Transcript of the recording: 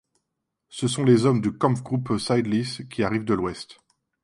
Ce sont les hommes du Kampfgruppe Seydlitz qui arrivent de l’ouest.